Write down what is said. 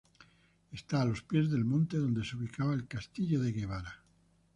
Está a los pies del monte donde se ubicaba el Castillo de Guevara.